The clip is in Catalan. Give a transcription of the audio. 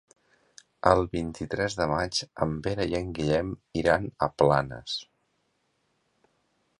El vint-i-tres de maig en Pere i en Guillem iran a Planes.